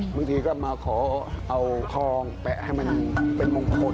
บางทีก็มาขอเอาทองแปะให้มันเป็นมงคล